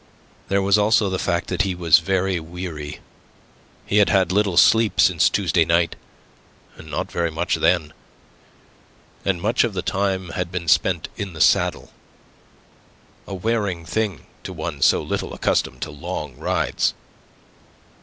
There was also the fact that he was very weary. He had had little sleep since Tuesday night, and not very much then; and much of the time had been spent in the saddle, a wearing thing to one so little accustomed to long rides.